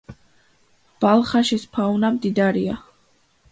ბალხაშის ფაუნა მდიდარია.